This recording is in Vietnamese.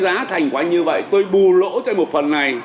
giá thành của anh như vậy tôi bù lỗ thêm một phần này